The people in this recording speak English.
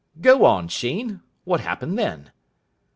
"Go on, Sheen. What happened then?"